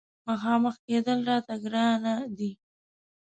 مخامخ کېدل راته ګرانه دي.